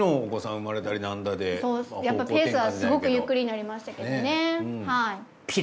やっぱりペースはすごくゆっくりになりましたけどね。